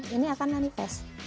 ini akan manifest